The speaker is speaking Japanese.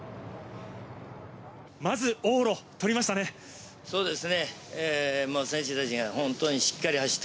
まず往路、取りましたね。